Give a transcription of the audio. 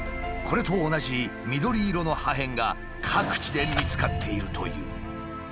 これと同じ緑色の破片が各地で見つかっているという。